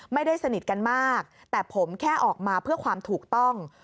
ไม่ได้สนิทกันมากแต่ผมแค่ออกมาเพื่อความถูกต้อง